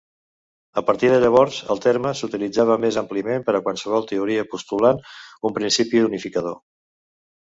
A partir de llavors el terme s'utilitzava més àmpliament, per a qualsevol teoria postulant un principi unificador.